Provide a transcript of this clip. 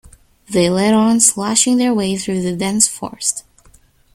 They led on, slashing their way through the dense forest.